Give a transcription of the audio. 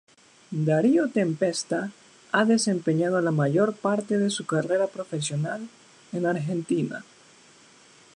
Darío Tempesta ha desempeñado la mayor parte de su carrera profesional en argentina.